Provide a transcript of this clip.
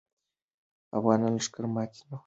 افغاني لښکر ماتې نه خوړله.